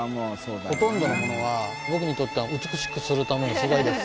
ほとんどのものは、僕にとっては、美しくするための素材です。